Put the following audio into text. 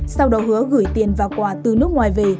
sau đó hứa gửi tiền và quà từ nước ngoài về